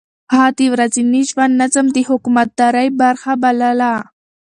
هغه د ورځني ژوند نظم د حکومتدارۍ برخه بلله.